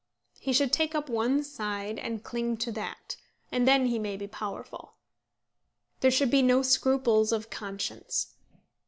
He should take up one side and cling to that, and then he may be powerful. There should be no scruples of conscience.